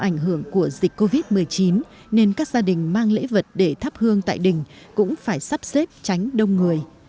trong dịch covid một mươi chín nên các gia đình mang lễ vật để thắp hương tại đình cũng phải sắp xếp tránh đông người